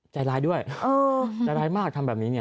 ใจร้ายด้วยเออใจร้ายมากทำแบบนี้เนี่ย